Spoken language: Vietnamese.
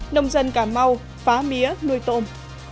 nông dân cà mau phá mía nuôi tôm